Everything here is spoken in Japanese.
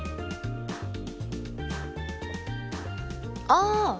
ああ！